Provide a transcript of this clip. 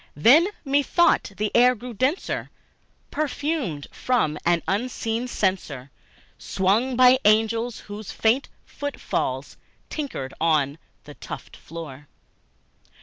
Then methought the air grew denser, perfumed from an unseen censer Swung by seraphim, whose footfalls twinkled on the tufted floor.